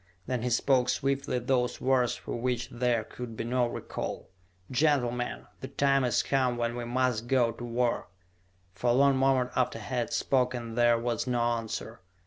Then he spoke swiftly those words for which there could be no recall: "Gentlemen, the time is come when we must go to war!" For a long moment after he had spoken there was no answer.